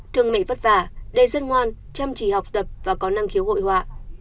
thường mẹ vất vả đây rất ngoan chăm chỉ học tập và có năng khiếu hội họa